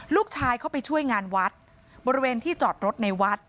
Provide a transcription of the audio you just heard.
เข้าไปช่วยงานวัดบริเวณที่จอดรถในวัด